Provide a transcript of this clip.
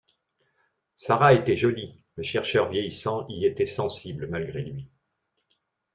Sara était jolie, le chercheur vieillissant y était sensible, malgré lui